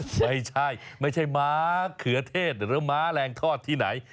ไม่ใช่ไม่ใช่ม้าเขือเทศหรือม้าแรงทอดที่ไหน